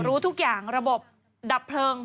รู้ทุกอย่างระบบดับเพลิง